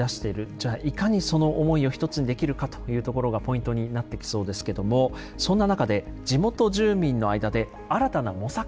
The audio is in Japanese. じゃあいかにその思いを一つにできるかというところがポイントになってきそうですけどもそんな中で地元住民の間で新たな模索が始まっています。